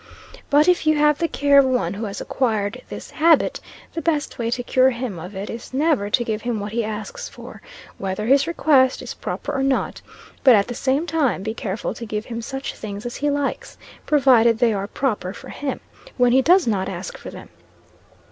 But if you have the care of one who has acquired this habit, the best way to cure him of it is never to give him what he asks for, whether his request is proper or not; but at the same time be careful to give him such things as he likes, (provided they are proper for him,) when he does not ask for them.